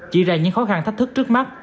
chỉ ra những khó khăn thách thức trước mắt